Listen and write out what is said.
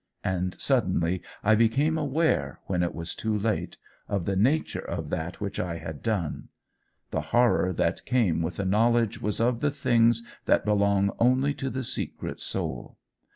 And suddenly I became aware, when it was too late, of the nature of that which I had done. The horror that came with the knowledge was of the things that belong only to the secret soul.